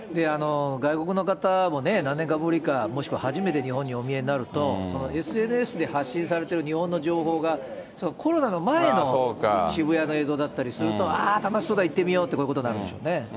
外国の方もね、何年かぶりか、もしくは初めて日本にお見えになると、ＳＮＳで発信されてる日本の情報がコロナの前の渋谷の映像だったりすると、あー、楽しそうだ、行ってみようと、こういうことになるんでしょうね。